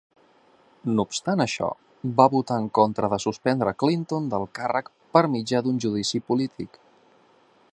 No obstant això, va votar en contra de suspendre Clinton del càrrec per mitjà d'un judici polític.